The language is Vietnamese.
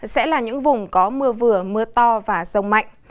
sẽ là những vùng có mưa vừa mưa to và rông mạnh